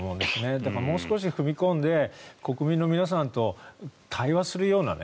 だからもう少し踏み込んで国民の皆さんと対話するようなね。